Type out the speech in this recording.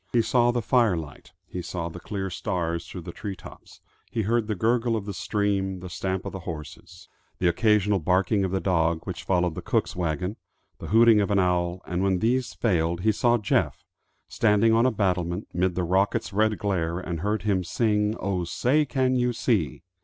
He saw the fire light, he saw the clear stars through the tree tops, he heard the gurgle of the stream, the stamp of the horses, the occasional barking of the dog which followed the cook's wagon, the hooting of an owl; and when these failed he saw Jeff, standing on a battlement, mid the rocket's red glare, and heard him sing, "Oh, say, can you see?"